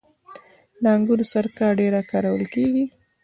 د انګورو سرکه ډیره کارول کیږي.